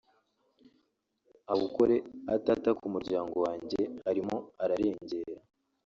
awukore atataka umuryango wanjye arimo ararengera